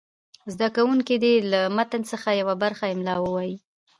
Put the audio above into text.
زده کوونکي دې له متن څخه یوه برخه املا ووایي.